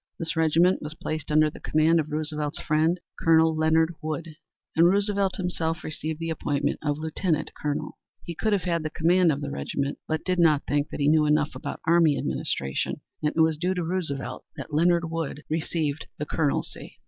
This regiment was placed under the command of Roosevelt's friend, Colonel Leonard Wood, and Roosevelt himself received the appointment of Lieutenant Colonel. He could have had the command of the regiment but did not think that he knew enough about army administration, and it was due to Roosevelt that Leonard Wood received the Colonelcy.